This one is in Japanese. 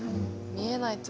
見えないとこに。